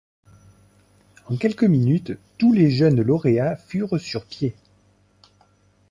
En quelques minutes, tous les jeunes lauréats furent sur pied.